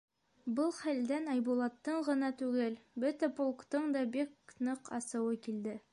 Был хәлдән Айбулаттың ғына түгел, бөтә полктың да бик ныҡ асыуы килде.